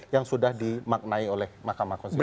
yang sudah dimaknai oleh mahkamah konstitusi